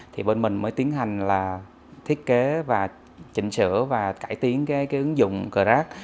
thì bên mình mới tiến hành là thiết kế và chỉnh sửa và cải tiến cái ứng dụng cờ rac